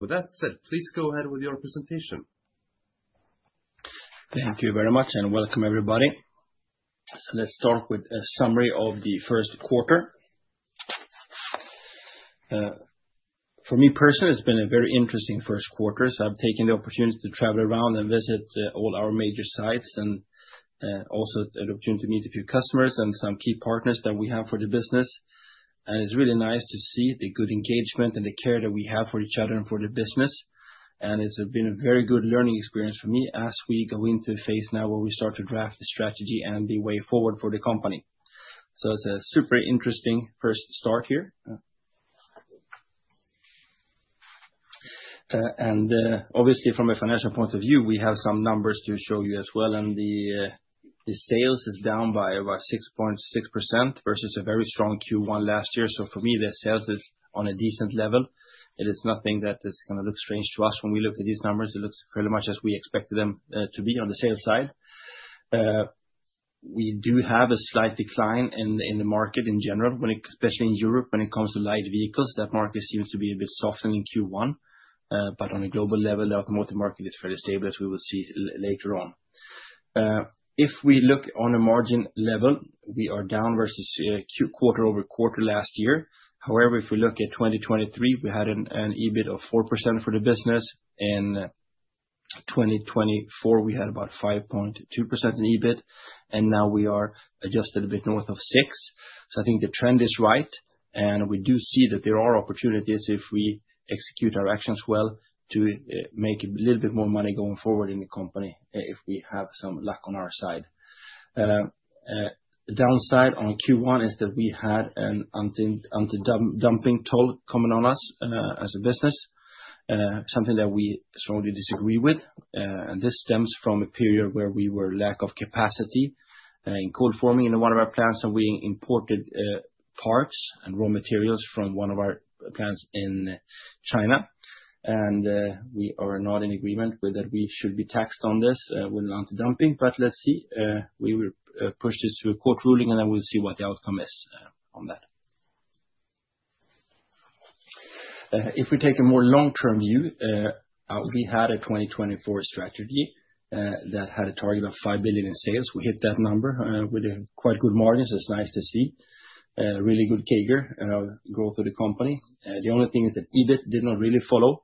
With that said, please go ahead with your presentation. Thank you very much, and welcome everybody. Let's start with a summary of the Q1. For me personally, it's been a very interesting Q1. I've taken the opportunity to travel around and visit all our major sites, and also had the opportunity to meet a few customers and some key partners that we have for the business. It's really nice to see the good engagement and the care that we have for each other and for the business. It's been a very good learning experience for me as we go into the phase now where we start to draft the strategy and the way forward for the company. It's a super interesting first start here. Obviously, from a financial point of view, we have some numbers to show you as well. Sales is down by about 6.6% versus a very strong Q1 last year. For me, sales is on a decent level. It is nothing that is going to look strange to us when we look at these numbers. It looks pretty much as we expected them to be on the sales side. We do have a slight decline in the market in general, especially in Europe when it comes to light vehicles. That market seems to be a bit softened in Q1. On a global level, the automotive market is fairly stable, as we will see later on. If we look on a margin level, we are down versus quarter over quarter last year. However, if we look at 2023, we had an EBIT of 4% for the business. In 2024, we had about 5.2% in EBIT, and now we are adjusted a bit north of 6%. I think the trend is right, and we do see that there are opportunities if we execute our actions well to make a little bit more money going forward in the company if we have some luck on our side. The downside on Q1 is that we had an anti-dumping duty coming on us as a business, something that we strongly disagree with. This stems from a period where we were lack of capacity in cold forming in one of our plants, and we imported parts and raw materials from one of our plants in China. We are not in agreement with that we should be taxed on this with anti-dumping. Let's see. We will push this to a court ruling, and then we'll see what the outcome is on that. If we take a more long-term view, we had a 2024 strategy that had a target of 5 billion in sales. We hit that number with quite good margins. It's nice to see really good CAGR growth of the company. The only thing is that EBIT did not really follow.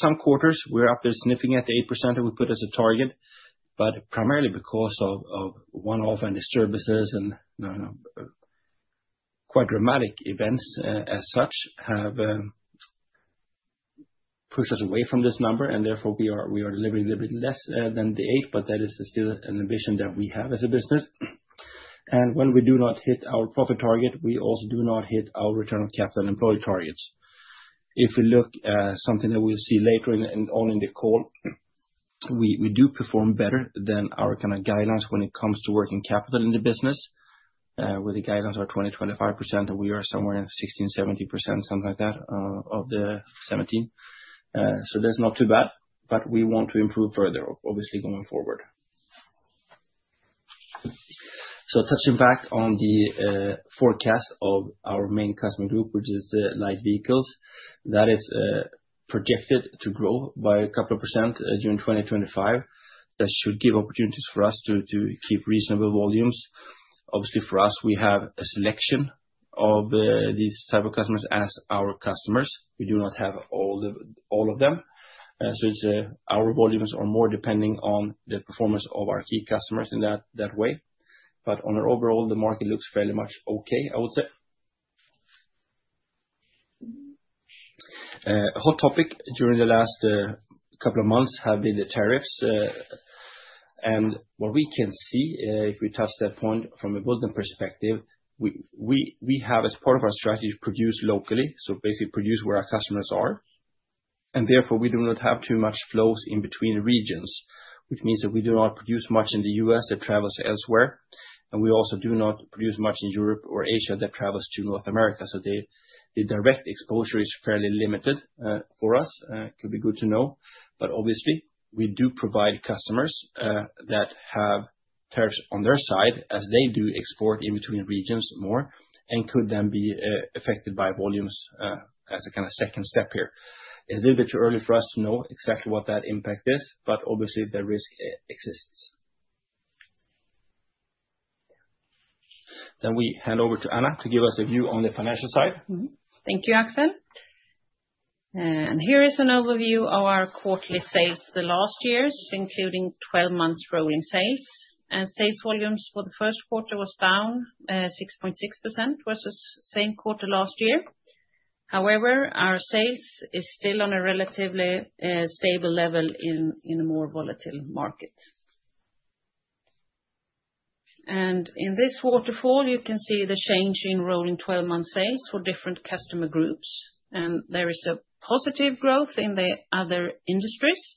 Some quarters, we're up significantly at the 8% that we put as a target, primarily because of one-off and the services and quite dramatic events as such have pushed us away from this number. We are delivering a little bit less than the 8%, but that is still an ambition that we have as a business. When we do not hit our profit target, we also do not hit our return on capital employed targets. If we look at something that we'll see later on in the call, we do perform better than our kind of guidelines when it comes to working capital in the business, where the guidelines are 20%-25%, and we are somewhere in 16%-17%, something like that of the 17. That is not too bad, but we want to improve further, obviously, going forward. Touching back on the forecast of our main customer group, which is the light vehicles, that is projected to grow by a couple of percent during 2025. That should give opportunities for us to keep reasonable volumes. Obviously, for us, we have a selection of these type of customers as our customers. We do not have all of them. Our volumes are more depending on the performance of our key customers in that way. Overall, the market looks fairly much okay, I would say. A hot topic during the last couple of months has been the tariffs. What we can see, if we touch that point from a Bulten perspective, we have, as part of our strategy, produced locally, so basically produce where our customers are. Therefore, we do not have too much flows in between regions, which means that we do not produce much in the US that travels elsewhere. We also do not produce much in Europe or Asia that travels to North America. The direct exposure is fairly limited for us. It could be good to know. Obviously, we do provide customers that have tariffs on their side as they do export in between regions more and could then be affected by volumes as a kind of second step here. It's a little bit too early for us to know exactly what that impact is, but obviously, the risk exists. We hand over to Anna to give us a view on the financial side. Thank you, Axel. Here is an overview of our quarterly sales for the last year, including 12 months' rolling sales. Sales volumes for the Q1 were down 6.6% versus the same quarter last year. However, our sales are still on a relatively stable level in a more volatile market. In this waterfall, you can see the change in rolling 12-month sales for different customer groups. There is a positive growth in the other industries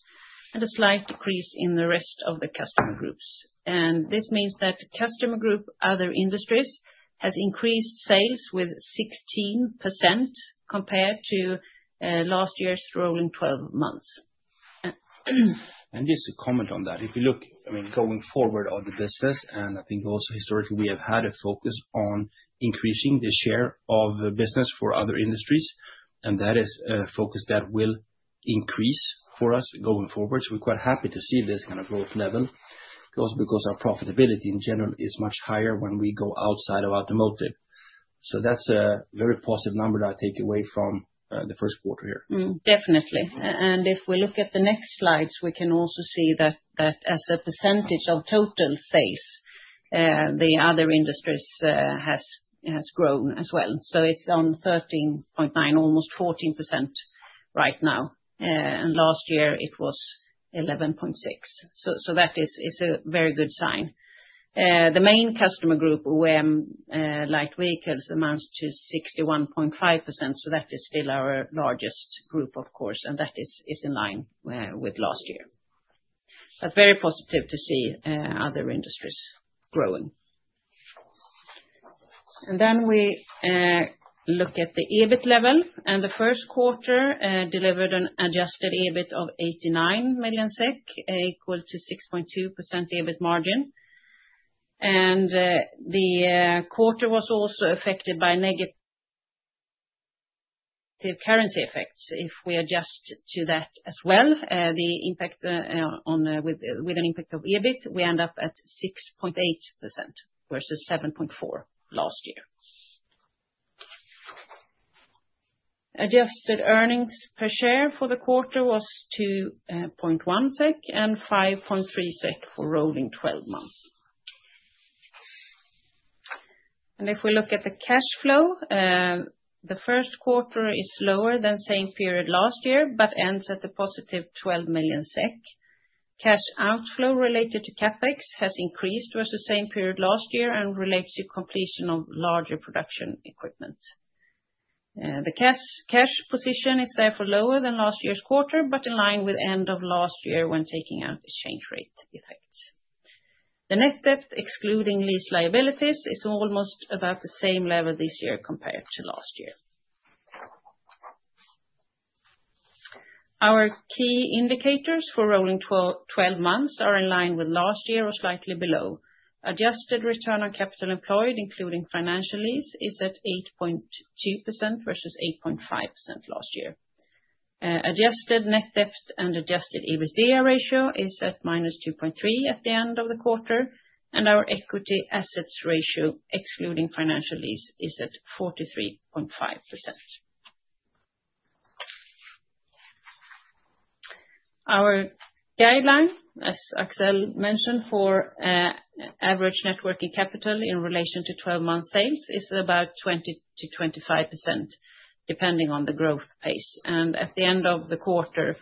and a slight decrease in the rest of the customer groups. This means that customer group, other industries, has increased sales by 16% compared to last year's rolling 12 months. Just to comment on that, if you look, I mean, going forward on the business, and I think also historically we have had a focus on increasing the share of business for other industries, and that is a focus that will increase for us going forward. We are quite happy to see this kind of growth level because our profitability in general is much higher when we go outside of automotive. That is a very positive number that I take away from the Q1 here. Definitely. If we look at the next slides, we can also see that as a percentage of total sales, the other industries has grown as well. It is on 13.9%, almost 14% right now. Last year, it was 11.6%. That is a very good sign. The main customer group, OEM light vehicles, amounts to 61.5%. That is still our largest group, of course, and that is in line with last year. Very positive to see other industries growing. We look at the EBIT level. The Q1 delivered an adjusted EBIT of 89 million SEK, equal to a 6.2% EBIT margin. The quarter was also affected by negative currency effects. If we adjust to that as well, the impact with an impact of EBIT, we end up at 6.8% versus 7.4% last year. Adjusted earnings per share for the quarter was 2.1 SEK and 5.3 SEK for rolling 12 months. If we look at the cash flow, the Q1 is slower than the same period last year, but ends at a positive 12 million SEK. Cash outflow related to CapEx has increased versus the same period last year and relates to completion of larger production equipment. The cash position is therefore lower than last year's quarter, but in line with the end of last year when taking out exchange rate effects. The net debt, excluding lease liabilities, is almost about the same level this year compared to last year. Our key indicators for rolling 12 months are in line with last year or slightly below. Adjusted return on capital employed, including financial lease, is at 8.2% versus 8.5% last year. Adjusted net debt and adjusted EBITDA ratio is at minus 2.3 at the end of the quarter. Our equity assets ratio, excluding financial lease, is at 43.5%. Our guideline, as Axel mentioned, for average net working capital in relation to 12-month sales is about 20%-25%, depending on the growth pace. At the end of the quarter,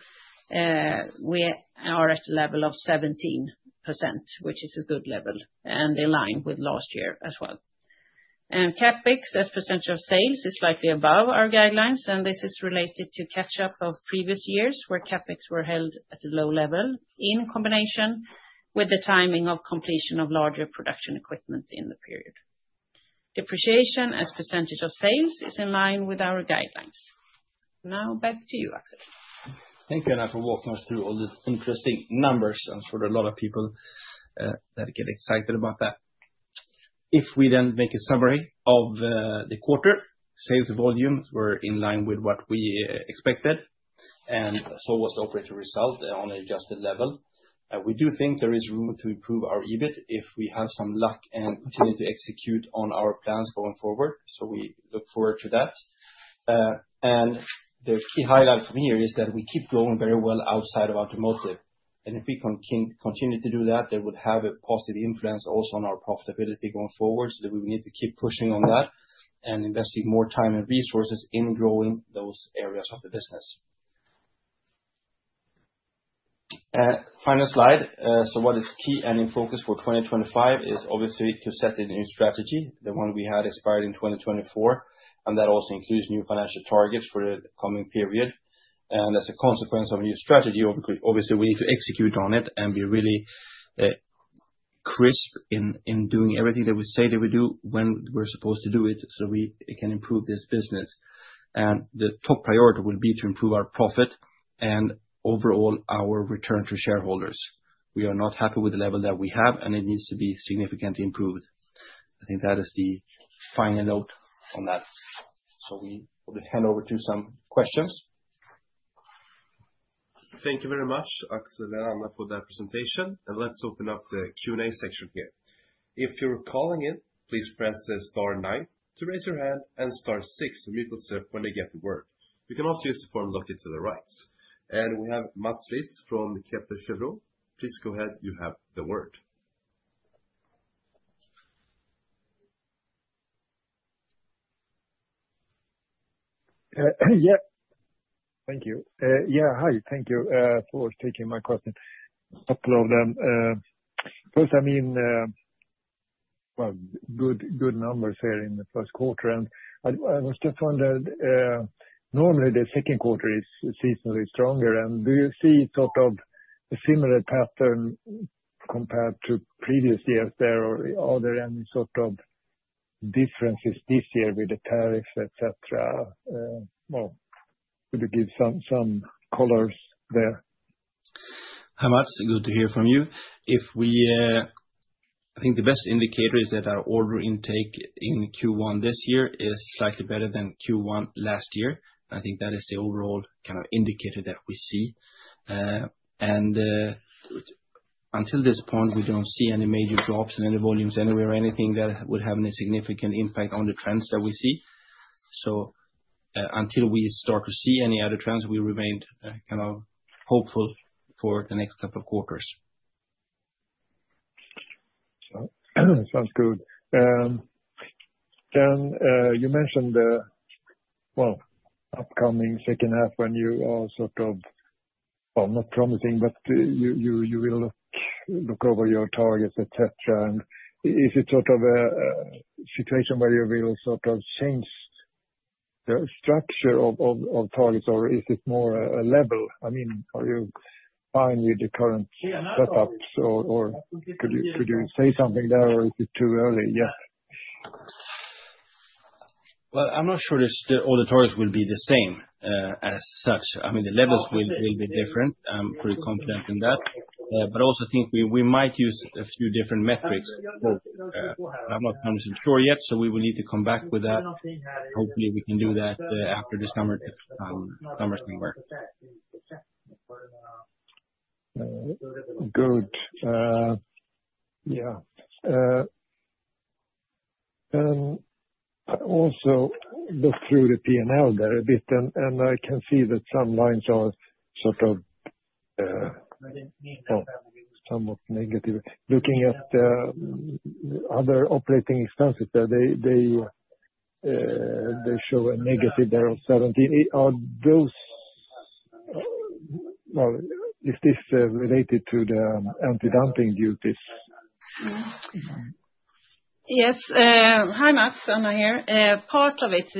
we are at a level of 17%, which is a good level, and in line with last year as well. CapEx as percentage of sales is slightly above our guidelines, and this is related to catch-up of previous years where CapEx were held at a low level in combination with the timing of completion of larger production equipment in the period. Depreciation as percentage of sales is in line with our guidelines. Now back to you, Axel. Thank you, Anna, for walking us through all these interesting numbers. I'm sure there are a lot of people that get excited about that. If we then make a summary of the quarter, sales volumes were in line with what we expected, and so was the operating result on an adjusted level. We do think there is room to improve our EBIT if we have some luck and continue to execute on our plans going forward. We look forward to that. The key highlight from here is that we keep growing very well outside of automotive. If we continue to do that, that would have a positive influence also on our profitability going forward. We need to keep pushing on that and investing more time and resources in growing those areas of the business. Final slide. What is key and in focus for 2025 is obviously to set a new strategy, the one we had expired in 2024. That also includes new financial targets for the coming period. As a consequence of a new strategy, obviously, we need to execute on it and be really crisp in doing everything that we say that we do when we're supposed to do it so we can improve this business. The top priority will be to improve our profit and overall our return to shareholders. We are not happy with the level that we have, and it needs to be significantly improved. I think that is the final note on that. We will hand over to some questions. Thank you very much, Axel and Anna, for that presentation. Let's open up the Q&A section here. If you're calling in, please press star 9 to raise your hand and star 6 to mute yourself when you get the word. You can also use the form located to the right. We have Mats Liss from Kepler Cheuvreux. Please go ahead. You have the word. Yeah. Thank you. Yeah, hi. Thank you for taking my question. A couple of them. First, I mean, good numbers here in the Q1. I was just wondered, normally, the Q2 is seasonally stronger. Do you see sort of a similar pattern compared to previous years there? Are there any sort of differences this year with the tariffs, etc.? Could you give some colors there? Hi, Mats. Good to hear from you. I think the best indicator is that our order intake in Q1 this year is slightly better than Q1 last year. I think that is the overall kind of indicator that we see. Until this point, we do not see any major drops in any volumes anywhere or anything that would have any significant impact on the trends that we see. Until we start to see any other trends, we remain kind of hopeful for the next couple of quarters. Sounds good. You mentioned the, well, upcoming second half when you are sort of, well, not promising, but you will look over your targets, etc. Is it sort of a situation where you will sort of change the structure of targets, or is it more a level? I mean, are you fine with the current setups, or could you say something there, or is it too early yet? I'm not sure the auditorium will be the same as such. I mean, the levels will be different. I'm pretty confident in that. I also think we might use a few different metrics. I'm not 100% sure yet, so we will need to come back with that. Hopefully, we can do that after the summer somewhere. Good. Yeah. I also looked through the P&L there a bit, and I can see that some lines are sort of somewhat negative. Looking at other operating expenses, they show a negative there of 17. Are those, well, is this related to the anti-dumping duties? Yes. Hi, Mats. Anna here. Part of it is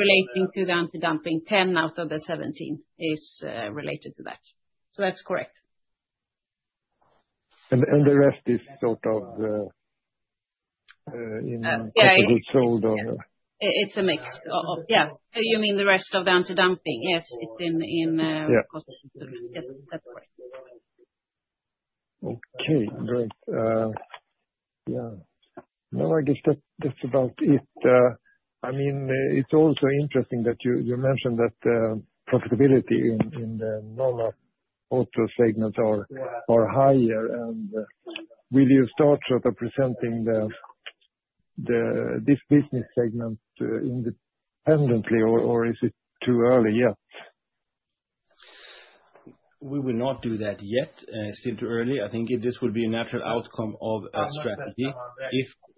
relating to the anti-dumping. Ten out of the 17 is related to that. That is correct. The rest is sort of in. Yeah. Cost of goods sold or? It's a mix. Yeah. You mean the rest of the anti-dumping? Yes. It's in cost of goods sold. Yes. That's correct. Okay. Great. Yeah. No, I guess that's about it. I mean, it's also interesting that you mentioned that profitability in the non-auto segments are higher. Will you start sort of presenting this business segment independently, or is it too early yet? We will not do that yet. It's still too early. I think this would be a natural outcome of our strategy.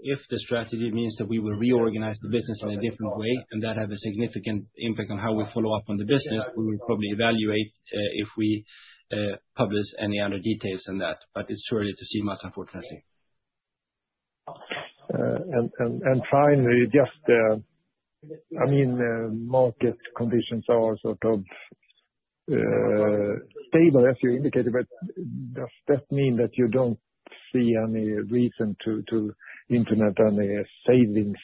If the strategy means that we will reorganize the business in a different way and that has a significant impact on how we follow up on the business, we will probably evaluate if we publish any other details on that. It's too early to see, Mats, unfortunately. Finally, just, I mean, market conditions are sort of stable, as you indicated, but does that mean that you do not see any reason to implement any savings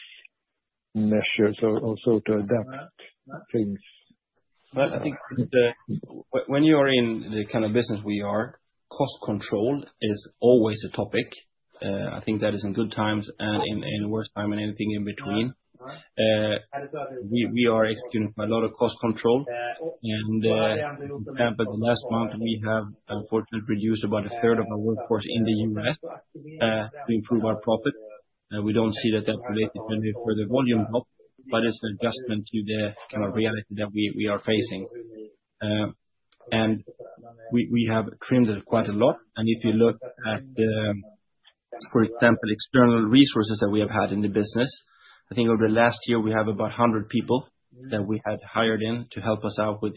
measures or so to adapt things? I think when you are in the kind of business we are, cost control is always a topic. I think that is in good times and in worse times and anything in between. We are experiencing a lot of cost control. In fact, the last month, we have unfortunately reduced about a third of our workforce in the US to improve our profit. We do not see that as related to any further volume drop, but it is an adjustment to the kind of reality that we are facing. We have trimmed it quite a lot. If you look at, for example, external resources that we have had in the business, I think over the last year, we have about 100 people that we had hired in to help us out with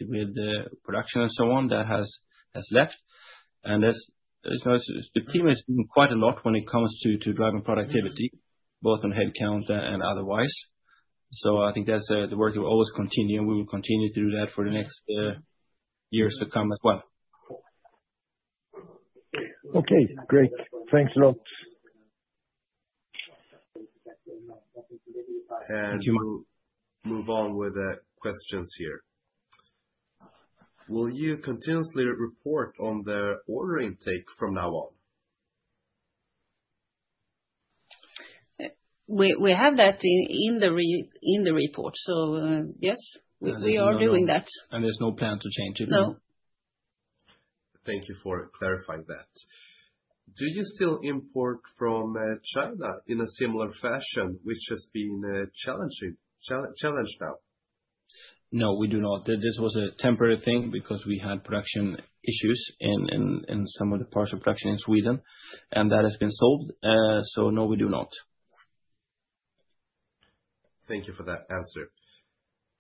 production and so on that has left. The team has been quite a lot when it comes to driving productivity, both on headcount and otherwise. I think that's the work that will always continue, and we will continue to do that for the next years to come as well. Okay. Great. Thanks a lot. Will you continuously report on the order intake from now on? We have that in the report. Yes, we are doing that. There's no plan to change it? No. Thank you for clarifying that. Do you still import from China in a similar fashion? We've just been challenged now. No, we do not. This was a temporary thing because we had production issues in some of the parts of production in Sweden. That has been solved. No, we do not. Thank you for that answer.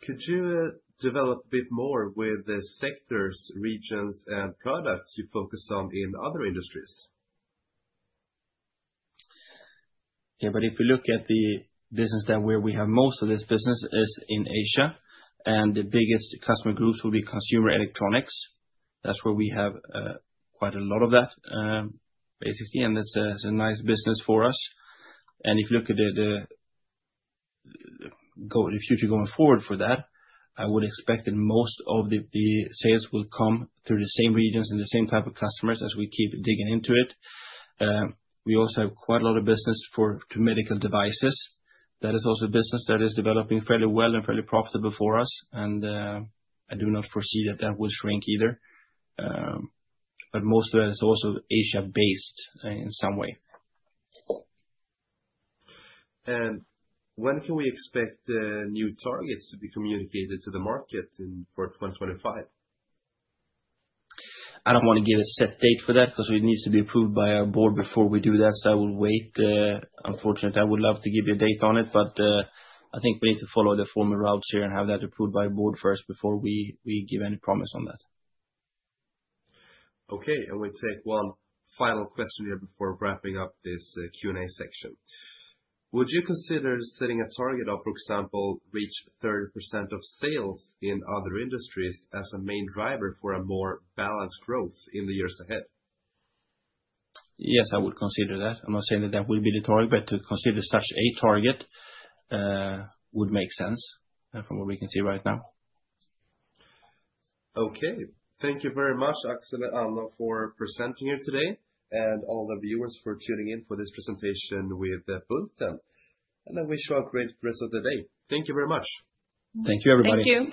Could you develop a bit more with the sectors, regions, and products you focus on in other industries? Yeah, but if we look at the business that where we have most of this business is in Asia. The biggest customer groups will be consumer electronics. That's where we have quite a lot of that, basically. That's a nice business for us. If you look at the future going forward for that, I would expect that most of the sales will come through the same regions and the same type of customers as we keep digging into it. We also have quite a lot of business for medical devices. That is also a business that is developing fairly well and fairly profitable for us. I do not foresee that that will shrink either. Most of that is also Asia-based in some way. When can we expect new targets to be communicated to the market for 2025? I don't want to give a set date for that because it needs to be approved by our board before we do that. I will wait. Unfortunately, I would love to give you a date on it, but I think we need to follow the former routes here and have that approved by a board first before we give any promise on that. Okay. We take one final question here before wrapping up this Q&A section. Would you consider setting a target of, for example, reach 30% of sales in other industries as a main driver for a more balanced growth in the years ahead? Yes, I would consider that. I'm not saying that that will be the target, but to consider such a target would make sense from what we can see right now. Okay. Thank you very much, Axel and Anna, for presenting here today, and all the viewers for tuning in for this presentation with Bulten. I wish you a great rest of the day. Thank you very much. Thank you, everybody. Thank you.